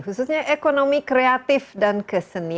khususnya ekonomi kreatif dan kesenian